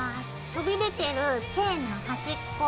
飛び出てるチェーンの端っこ